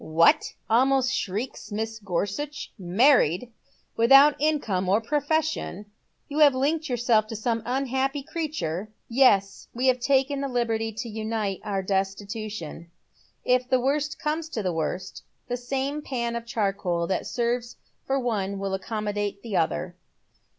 " What ?" almost shrieks Mrs. Gorsuch. " Man ied ! Without income or profession, you have linked yourself to some unhappy creature ?"" Yes, we have taken the hberty to unite our destitution. If the worst comes to the worst the same pan of charcoal that serves for one will accommodate the other."